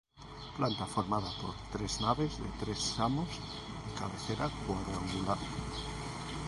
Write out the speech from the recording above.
Planta formada por tres naves de tres samos y cabecera cuadrangular.